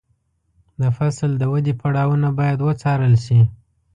د فصل د ودې پړاوونه باید وڅارل شي.